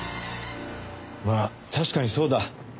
まあ確かにそうだ。